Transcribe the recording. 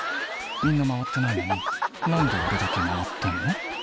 「みんな回ってないのに何で俺だけ回ってんの？」